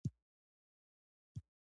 هوا یې تربخه کړې وه، زه هم دومره ستړی وم.